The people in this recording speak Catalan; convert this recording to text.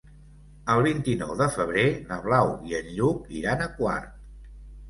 El vint-i-nou de febrer na Blau i en Lluc iran a Quart.